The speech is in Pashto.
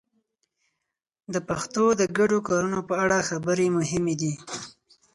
د پښتو د ګډو کارونو په اړه خبرې مهمې دي.